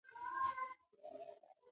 دا هغه حقیقت و چې ده په خوب کې لیدلی و.